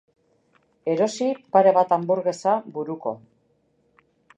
Erosi pare bat hanburgesa buruko.